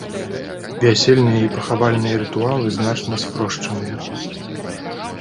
Вясельныя і пахавальныя рытуалы значна спрошчаныя.